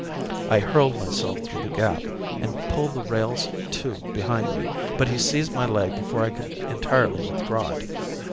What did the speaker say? I hurled myself through the gap and pulled the rails to behind me, but he seized my leg before I could entirely withdraw it.